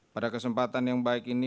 pada kesempatan yang baik ini